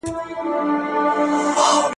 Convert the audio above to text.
یو سکندر سي بل چنګیز بل یې هټلر سي